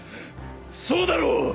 そうだろう！？